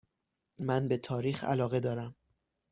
من به تاریخ علاقه دارم.